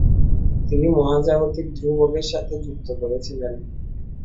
তিনি মহাজাগতিক ধ্রুবকের সাথে যুক্ত করেছিলেন।